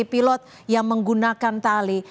pilot yang menggunakan tali